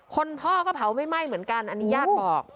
พ่อก็เผาไม่ไหม้เหมือนกันอันนี้ญาติบอก